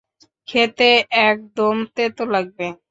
খেতে একদম তেতো লাগবে।